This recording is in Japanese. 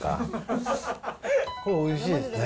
これ、おいしいですね。